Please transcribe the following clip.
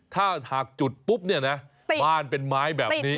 ถ้าหากจุดปุ๊บเนี่ยนะบ้านเป็นไม้แบบนี้